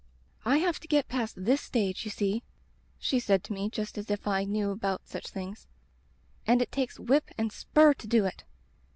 "'I have to get past this stage, you see,' she said to me, just as if I knew about such things, *and it takes whip and spur to do it.